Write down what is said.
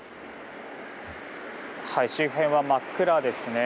周辺は真っ暗ですね。